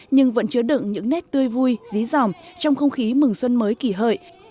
nhưng vẫn chứa đựng những nét tươi vui dí dòm trong không khí mừng xuân mới kỳ hợi